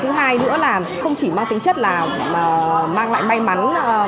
thứ hai nữa là không chỉ mang tính chất là mang lại may mắn